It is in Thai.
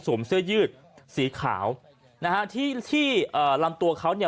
เสื้อยืดสีขาวนะฮะที่ที่เอ่อลำตัวเขาเนี่ย